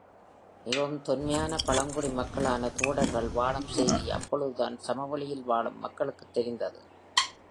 மிகவும் தொன்மையான பழங்குடி மக்களான தோடர்கள் வாழும் செய்தி, அப்பொழுதுதான் சமவெளியில் வாழும் மக்களுக்குத் தெரிந்தது.